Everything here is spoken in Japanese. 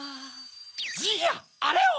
じいやあれを！